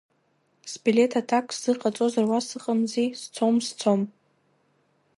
Сбилеҭ аҭак сзыҟаҵозар, уа сыҟамзи, сцом, сцом!